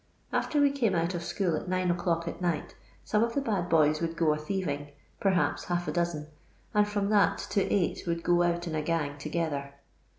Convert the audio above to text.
After we came out of school at nine o'clock at night, some of the bad boys would go a thieving, perhaps hnlfa dozen and from that to eight would go out in a gang together.